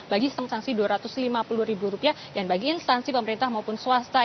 bagi sanksi dua ratus lima puluh ribu rupiah dan bagi instansi pemerintah maupun swasta